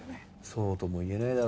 そうとも言えねえだろう。